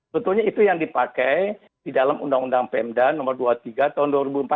sebetulnya itu yang dipakai di dalam undang undang pemda nomor dua puluh tiga tahun dua ribu empat belas